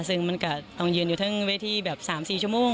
ซึ่งมันก็ต้องยืนอยู่ทั้งเวทีแบบ๓๔ชั่วโมง